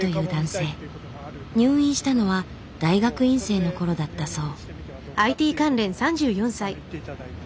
入院したのは大学院生のころだったそう。